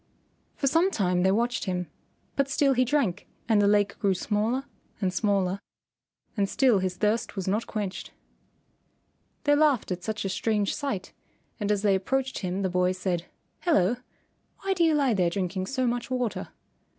For some time they watched him, but still he drank and the lake grew smaller and smaller and still his thirst was not quenched. They laughed at such a strange sight, and as they approached him the boy said, "Hello! Why do you lie there drinking so much water?"